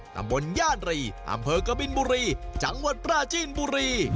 ตำบลย่านรีอำเภอกบินบุรีจังหวัดปราจีนบุรี